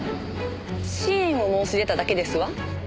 支援を申し出ただけですわ。